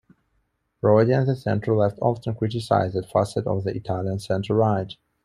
Prodi and the centre-left often criticised that facet of the Italian centre-right.